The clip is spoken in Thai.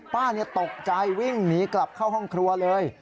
ป้าตกใจวิ่งหนีกลับเข้าห้องครัวเลย